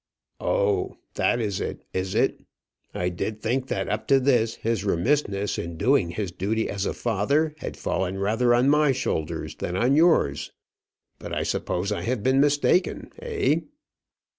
"Oh! that is it, is it? I did think that up to this, his remissness in doing his duty as a father had fallen rather on my shoulders than on yours. But I suppose I have been mistaken; eh?"